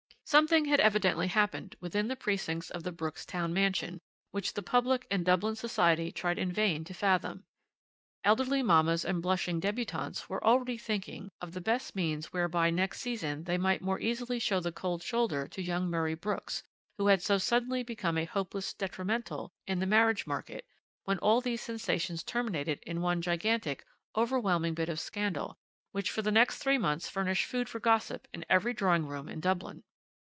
"Something had evidently happened within the precincts of the Brooks' town mansion, which the public and Dublin society tried in vain to fathom. Elderly mammas and blushing débutantes were already thinking of the best means whereby next season they might more easily show the cold shoulder to young Murray Brooks, who had so suddenly become a hopeless 'detrimental' in the marriage market, when all these sensations terminated in one gigantic, overwhelming bit of scandal, which for the next three months furnished food for gossip in every drawing room in Dublin.